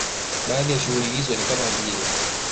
Baadhi ya shughuli hizo ni kama vile